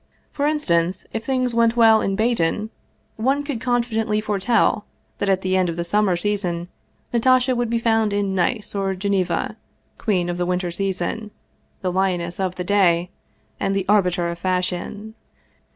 For instance, if things went well in Baden, one could confidently foretell that at the end of the summer season Natasha would be found in Nice or Ge neva, queen of the winter season, the lioness of the day, and the arbiter of fashion.